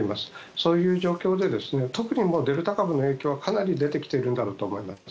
そういう状況で特にデルタ株の影響はかなり出てきているんだろうと思います。